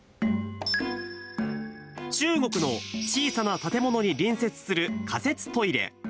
中国の小さな建物に隣接する仮設トイレ。